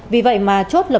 vì vậy mà chốt lập